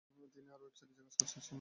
তিনি আরো ওয়েব সিরিজে কাজ করেছেন।